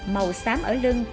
màu xám ở lưng